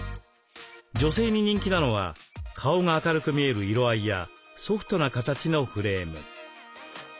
女性に人気なのは顔が明るく見える色合いやソフトな形のフレーム。